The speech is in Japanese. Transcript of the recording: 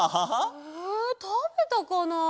えたべたかなあ？